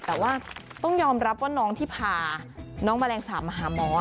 แต่ว่าต้องยอมรับว่าน้องที่พาน้องแมลงสาปมาหาหมอ